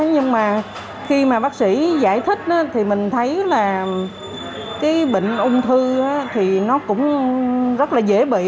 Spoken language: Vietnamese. nhưng mà khi mà bác sĩ giải thích thì mình thấy là cái bệnh ung thư thì nó cũng rất là dễ bị